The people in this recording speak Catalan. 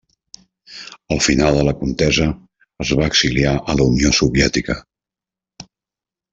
Al final de la contesa es va exiliar a la Unió Soviètica.